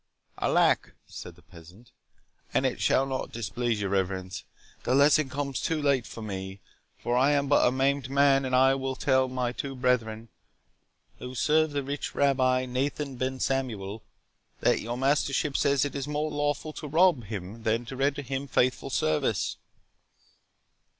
"Alack," said the peasant, "an it shall not displease your Reverence, the lesson comes too late for me, for I am but a maimed man; but I will tell my two brethren, who serve the rich Rabbi Nathan Ben Samuel, that your mastership says it is more lawful to rob him than to render him faithful service."